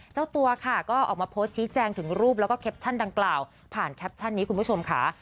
เจ้าตัวค่ะก็ออกมาโพสต์ชี้แจงถึงรูปแล้วก็แคปชั่นดังกล่าวผ่านแคปชั่นนี้คุณผู้ชมค่ะ